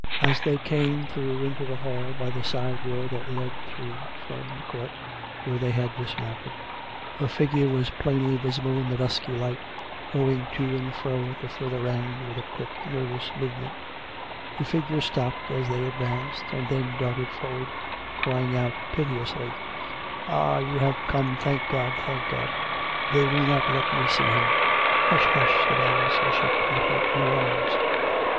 As they came through into the hall b}'^ the side door that led through from the court where they had dismounted, a figure was plainly visible in the dusky light, going to and fro at the further end, with a quick, nervous movemcTit. The figure stopped as they advanced, and then darted for ward, crying out piteously: " Ah ! you have come, thank God ! thank God ! They will not let me see him." " Hush ! hush !" said Alice, as she caught her in her arms. COME RACK! COME ROPE!